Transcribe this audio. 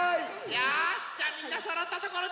よしじゃみんなそろったところでつぎ。